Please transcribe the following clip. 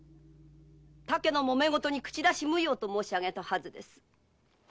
他家のもめ事に口出し無用と申しあげたはずです。